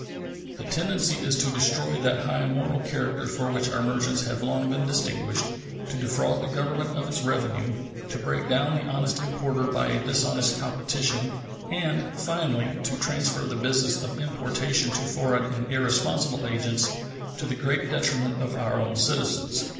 The tendency is to destroy that high moral character for which our merchants have long been distinguished, to defraud the Government of its revenue, to break down the honest importer by a dishonest competition, and, finally, to transfer the business of importation to foreign and irresponsible agents, to the great detriment of our own citizens.